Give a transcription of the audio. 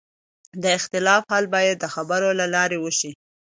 د اختلاف حل باید د خبرو له لارې وشي